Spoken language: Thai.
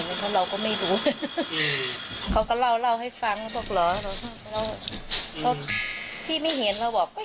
ก็อยากจะไปทำอะไรไม่ดีหรือเปล่าก็อยากจะไปทำอะไรไม่ดีหรือเปล่า